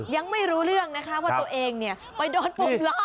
ยังไม่รู้เรื่องนะคะว่าตัวเองเนี่ยไปโดนผมร้อง